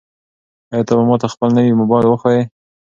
آیا ته به ماته خپل نوی موبایل وښایې؟